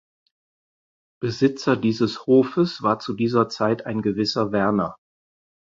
Besitzer dieses Hofes war zu dieser Zeit ein gewisser Werner.